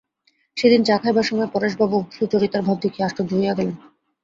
সেদিন চা খাইবার সময় পরেশবাবু সুচরিতার ভাব দেখিয়া আশ্চর্য হইয়া গেলেন।